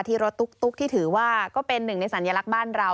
ที่รถตุ๊กที่ถือว่าก็เป็นหนึ่งในสัญลักษณ์บ้านเรา